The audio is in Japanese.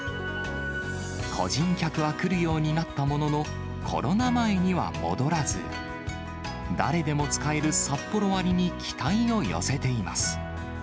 個人客は来るようになったものの、コロナ前には戻らず、誰でも使えるサッポロ割に期待を寄せています。